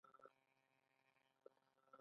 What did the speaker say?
پوست اوبه نه پرېږدي.